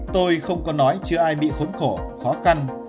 tôi không có nói chưa ai bị khốn khổ khó khăn